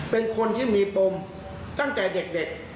เป็นคนที่มีปมตั้งแต่เด็ก